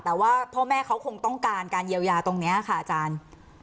แต่ว่าพ่อแม่เขาคงต้องการการเยียวยาตรงนี้ค่ะอาจารย์